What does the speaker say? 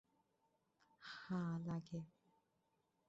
হাঁ, লাগে।